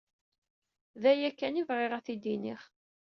D aya kan i bɣiɣ ad t-id-iniɣ.